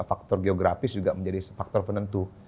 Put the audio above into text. dan ada faktor geografis juga menjadi faktor penentu